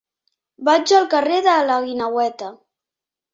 Vaig al carrer de la Guineueta.